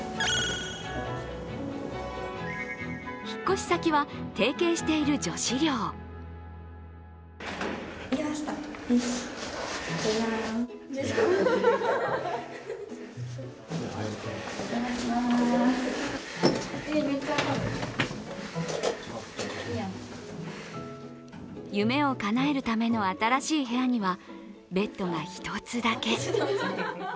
引っ越し先は、提携している女子寮夢をかなえるための新しい部屋にはベッドが一つだけ。